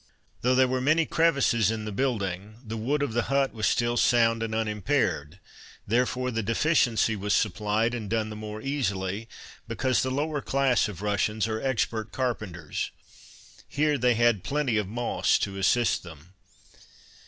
Though there were many crevices in the building, the wood of the hut was still sound and unimpaired, therefore the deficiency was supplied and done the more easily, because the lower class of Russians are expert carpenters. Here they had plenty of moss to assist them.